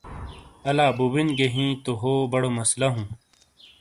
الہ بُوبِن گِیئے ہی تو ہو بڑو مسلہ ہوں۔